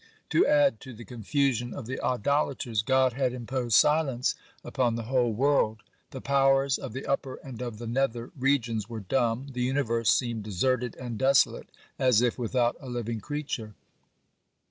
To add to the confusion of the idolaters, God had imposed silence upon the whole world. The powers of the upper and of the nether regions were dumb, the universe seemed deserted and desolate, as if without a living creature.